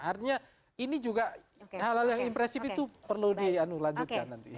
artinya ini juga hal hal yang impresif itu perlu dianulanjutkan nanti